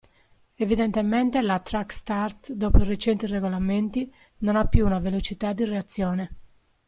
Evidentemente la track start, dopo i recenti regolamenti, non ha più una velocità di reazione.